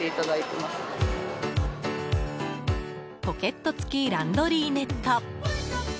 ポケット付きランドリーネット